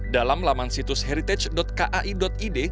dalam laman situs heritage kai id